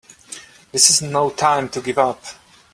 This is no time to give up!